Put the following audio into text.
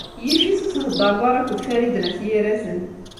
Yif-it ur theddṛeḍ ara akked Farid n At Yiraten.